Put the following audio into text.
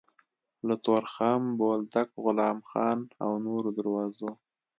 له تورخم، بولدک، غلام خان او نورو دروازو